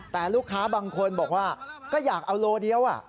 แต่ลูกค้าบางคนบอกว่าก็อยากเอาโลเดียว